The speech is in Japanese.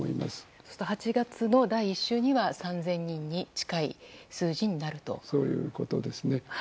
そうすると８月の第１週には３０００人に近いそういうことですね。